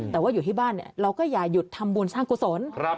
แต่ว่าอยู่ที่บ้านเราก็อย่าหยุดทำบุญสร้างกุศล